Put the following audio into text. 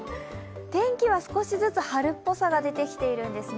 天気は少しずつ春っぽさが出てきているんですね。